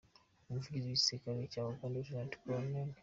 Umuvugizi w’igisirikare cya Uganda Lt Col.